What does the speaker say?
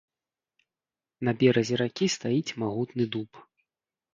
На беразе ракі стаіць магутны дуб.